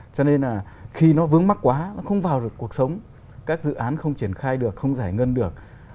cho nên là khi nó vướng mắc quá nó không vào được cuộc sống các dự án không triển khai được không giải ngân được